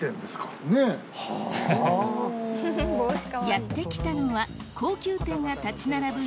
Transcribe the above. やって来たのは高級店が立ち並ぶ